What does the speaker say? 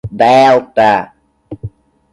Delta